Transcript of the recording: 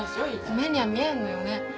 目には見えんのよね